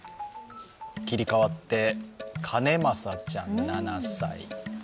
切り替わって、かねまさちゃん７歳。